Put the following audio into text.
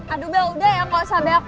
aduh bel udah ya gak usah bawa